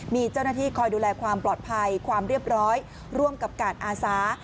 มีเจ้าหน้าที่คอยดูแลความปลอดภัยความเรียบร้อยร่วมกับการอาสา